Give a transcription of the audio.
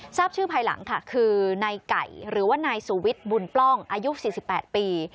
ทราบชื่อภายหลังค่ะคือนายไก่หรือว่านายสุวิทย์บุญปล้องอายุ๔๘ปี